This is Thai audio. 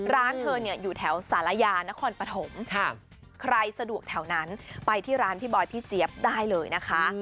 ร้านเธอเนี่ยอยู่แถวสารยานครปฐมใครสะดวกแถวนั้นไปที่ร้านพี่บอยพี่เจี๊ยบได้เลยนะคะ